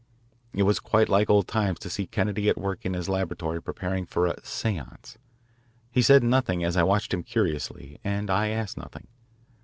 It was quite like old times to see Kennedy at work in his laboratory preparing for a "seance." He said nothing as I watched him curiously, and I asked nothing.